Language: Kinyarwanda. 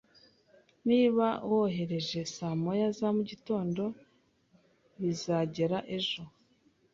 Niba wohereje saa moya za mugitondo, bizagera ejo